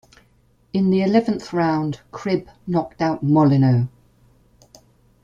In the eleventh round Cribb knocked out Molineaux.